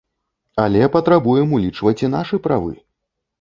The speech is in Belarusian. Але патрабуем улічваць і нашы правы.